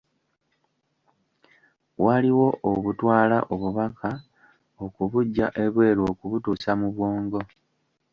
Waliwo obutwala obubaka okubuggya ebweru okubutuusa mu bwongo.